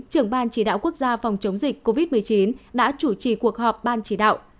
trưởng ban chỉ đạo quốc gia phòng chống dịch covid một mươi chín đã chủ trì cuộc họp ban chỉ đạo